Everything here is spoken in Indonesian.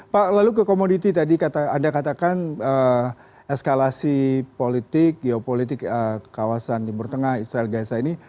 pak lalu ke komoditi tadi anda katakan eskalasi politik geopolitik kawasan timur tengah israel gaza ini